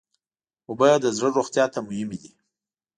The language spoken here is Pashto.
اوبه د زړه روغتیا ته مهمې دي.